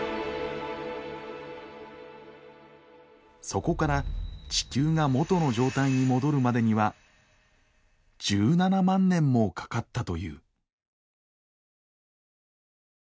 そこから地球が元の状態に戻るまでには１７万年もかかったという。